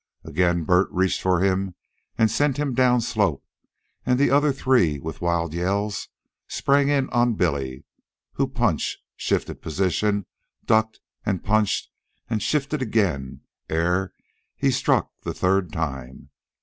Again Bert reached him and sent him downslope, and the other three, with wild yells, sprang in on Billy, who punched, shifted position, ducked and punched, and shifted again ere he struck the third time.